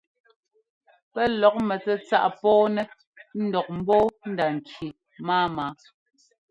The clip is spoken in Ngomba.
Pɛ́ lɔk mɛtsɛ́tsáꞌ pɔ́ɔnɛ́ ńdɔk ḿbɔ́ɔ nda-ŋki máama.